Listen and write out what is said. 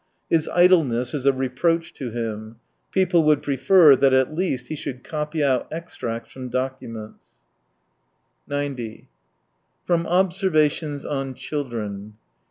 His idleness is a reproach to him : people would prefer that at least he should copy out extracts from documents. loi . 90 . From observations on children.